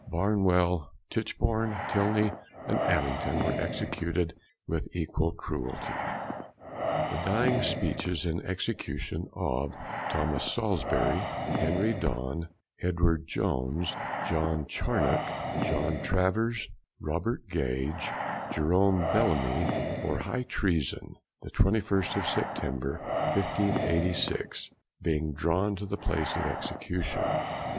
Barnwell, Titchborne, Tilney, and Abington were executed with equal cruelty. The DYING SPEECHES and EXECUTION of Thomas Salisbury, Henry Donn, Edward Jones, John Charnock, John Travers, Robert Gage, Jerome Bellamy, for High Treason, the 21st of September, 1586. Being drawn to the place of Execution.